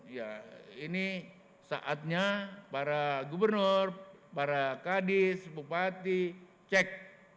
ya ini saatnya para gubernur para kadis bupati cek